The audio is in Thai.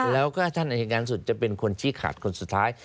แล้วก็ท่านอายการสุดจะเป็นคนชี้ขาดคนสุดท้าย